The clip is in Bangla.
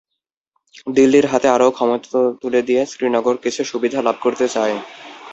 দিল্লির হাতে আরও ক্ষমতা তুলে দিয়ে শ্রীনগর কিছু সুবিধা লাভ করতে চায়।